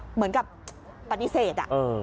เหมือนกับปฏิเสธ